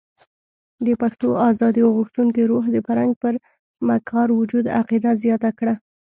د پښتنو ازادي غوښتونکي روح د فرنګ پر مکار وجود عقیده زیاته کړه.